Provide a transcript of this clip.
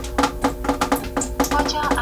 په ستونزو کې له زغم څخه کار واخلئ.